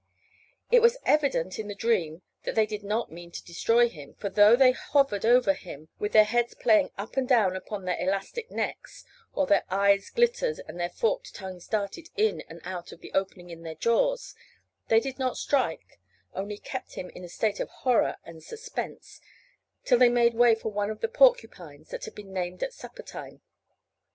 It was evident in the dream that they did not mean to destroy him, for though they hovered over him with their heads playing up and down upon their elastic necks, while their eyes glittered and their forked tongues darted in and out of the opening in their jaws, they did not strike, only kept him in a state of horror and suspense, till they made way for one of the porcupines that had been named at supper time.